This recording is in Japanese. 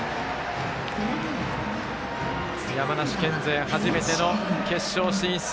山梨県勢、初めての決勝進出。